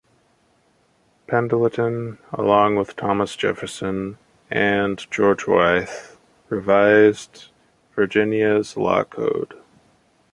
Pendleton, along with Thomas Jefferson and George Wythe, revised Virginia's law code.